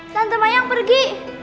tante mayang pergi